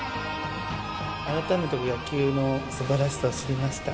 改めて野球のすばらしさを知りました。